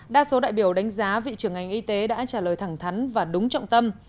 đa số đại biểu đánh giá vị trưởng ngành y tế đã trả lời thẳng thắn và đúng trọng tâm